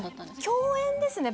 共演ですね